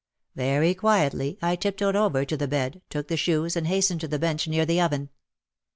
Very quietly I tiptoed over to the bed, took the shoes and hastened to the bench near the oven.